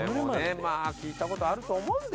まあ聞いた事あると思うんですが。